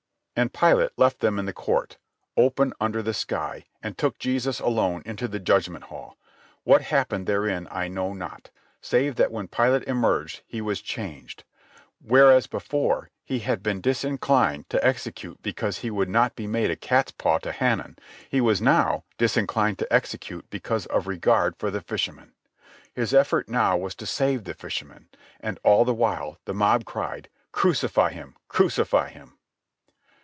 And Pilate left them in the court, open under the sky, and took Jesus alone into the judgment hall. What happened therein I know not, save that when Pilate emerged he was changed. Whereas before he had been disinclined to execute because he would not be made a catspaw to Hanan, he was now disinclined to execute because of regard for the fisherman. His effort now was to save the fisherman. And all the while the mob cried: "Crucify him! Crucify him!"